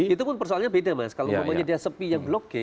itu pun persoalannya beda mas kalau umumnya dia sepi yang blok g